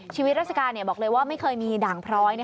ชีวิตราชการบอกเลยว่าไม่เคยมีด่างพร้อย